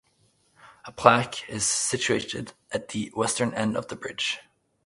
A plaque is situated at the western end of the bridge.